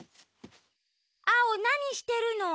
アオなにしてるの？